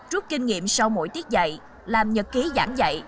rút kinh nghiệm sau mỗi tiết dạy làm nhật ký giảng dạy